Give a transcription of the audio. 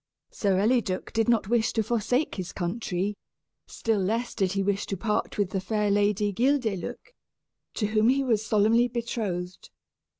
Sir Eliduc did not wish to forsake his country, still less did he wish to part with the fair Lady Guildeluec, to whom he was solemnly betrothed.